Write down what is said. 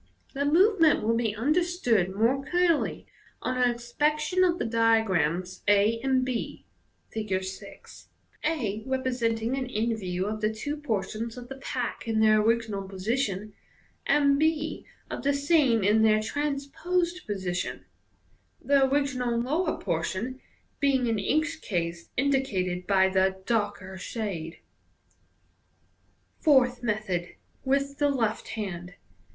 The movement will be understood more clearly on an inspection of the diagrams a and b (Fig. Q, a representing an end view of the two portions of the pack in their original position, and b of the same in their transposed Fig. 6, 18 MODERN MAGIC, position, the original lower portion being in each case indicated by the darker shade. Fourth Method. (With the left hand.)